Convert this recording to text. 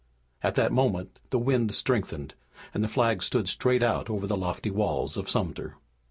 At that moment the wind strengthened, and the flag stood straight out over the lofty walls of Sumter.